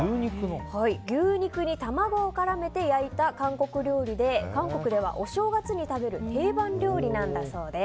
牛肉に卵を絡めて焼いた韓国料理で韓国ではお正月に食べる定番料理なんだそうです。